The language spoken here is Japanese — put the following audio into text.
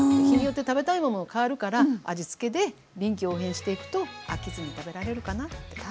日によって食べたいものも変わるから味つけで臨機応変にしていくと飽きずに食べられるかなと。